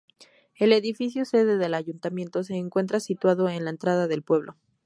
El edificio sede del ayuntamiento se encuentra situado en la entrada del pueblo.